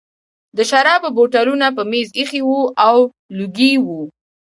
د شرابو بوتلونه په مېز ایښي وو او لوګي وو